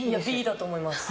Ｂだと思います